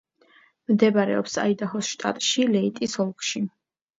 მდებარეობს აიდაჰოს შტატში, ლეიტის ოლქში.